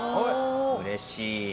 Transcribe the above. うれしい！